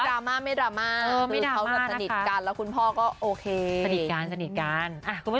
กลัวว่าไม่มีงาน